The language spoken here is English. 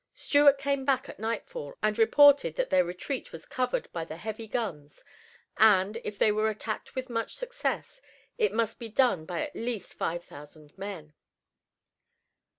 Stuart came back at nightfall and reported that their retreat was covered by the heavy guns, and, if they were attacked with much success, it must be done by at least five thousand men.